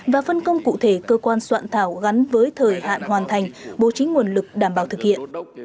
và phân công cụ thể cơ quan soạn thảo gắn với thời hạn hoàn thành bố trí nguồn lực đảm bảo thực hiện